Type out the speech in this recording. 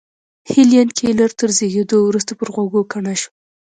هېلېن کېلر تر زېږېدو وروسته پر غوږو کڼه شوه